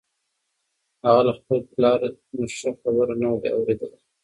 هغه له خپل پلار نه ښه خبره نه وه اورېدلې.